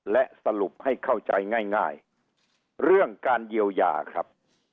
และสรุปให้เข้าใจง่ายเรื่องการเยียวยาครับ